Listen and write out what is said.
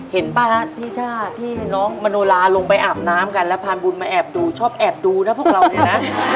ป่ะฮะที่ถ้าที่น้องมโนลาลงไปอาบน้ำกันแล้วพานบุญมาแอบดูชอบแอบดูนะพวกเราเนี่ยนะ